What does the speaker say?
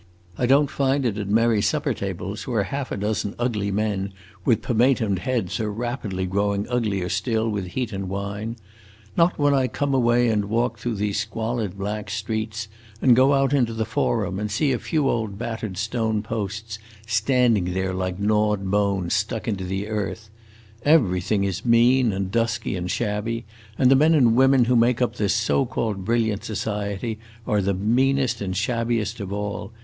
I don't find it at merry supper tables, where half a dozen ugly men with pomatumed heads are rapidly growing uglier still with heat and wine; not when I come away and walk through these squalid black streets, and go out into the Forum and see a few old battered stone posts standing there like gnawed bones stuck into the earth. Everything is mean and dusky and shabby, and the men and women who make up this so called brilliant society are the meanest and shabbiest of all.